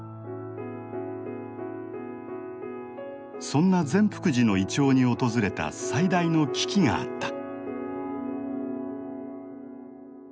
そんな善福寺のイチョウに訪れた最大の危機があった。